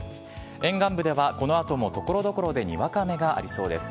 沿岸部ではこのあともところどころでにわか雨がありそうです。